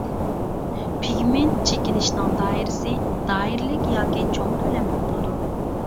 پىگمېنت چېكىنىشنىڭ دائىرىسى دائىرىلىك ياكى چوڭ كۆلەمدە بولىدۇ.